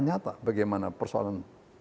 nyata bagaimana persoalan